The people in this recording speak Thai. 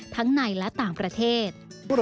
ทั้งในและต่างประเทศ